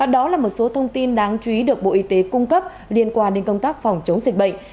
đó là một số thông tin đáng chú ý được bộ y tế cung cấp liên quan đến công tác phòng chống dịch bệnh